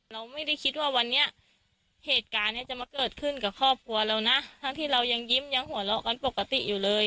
เราไม่ได้คิดว่าวันนี้เหตุการณ์เนี้ยจะมาเกิดขึ้นกับครอบครัวเรานะทั้งที่เรายังยิ้มยังหัวเราะกันปกติอยู่เลย